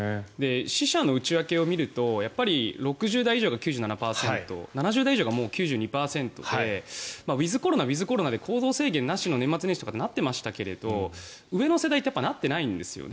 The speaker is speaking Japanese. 死者の内訳を見るとやっぱり６０代以上が９７％７０代以上が９２％でウィズコロナ、ウィズコロナで行動制限なしの年末年始とかってなっていましたけど上の世代ってやっぱりなってないんですよね。